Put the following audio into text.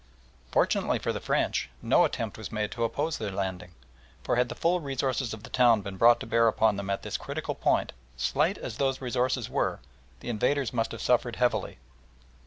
Fortunately for the French, no attempt was made to oppose their landing, for had the full resources of the town been brought to bear upon them at this critical point, slight as those resources were, the invaders must have suffered heavily.